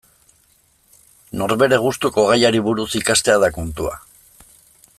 Norbere gustuko gaiari buruz ikastea da kontua.